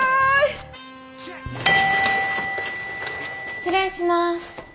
失礼します。